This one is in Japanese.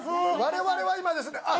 我々は今ですね。